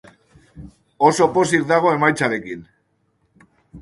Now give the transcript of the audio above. Oso pozik dago emaitzarekin.